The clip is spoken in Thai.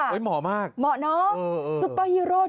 เห้ยเหมาะมากสุปเปอร์ฮีโร่เหมาะนะ